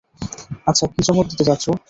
আচ্ছা, কী চমক দিতে যাচ্ছ?